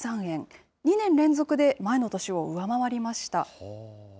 ２年連続で前の年を上回りました。